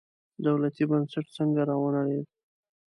دولتي بنسټ څنګه راونړېد.